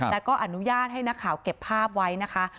แต่ก็อนุญาตให้นักข่าวเก็บภาพไว้นะคะ